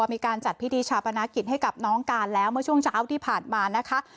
มีการจัดพิธีชาปนกิจให้กับน้องการแล้วเมื่อช่วงเช้าที่ผ่านมานะคะ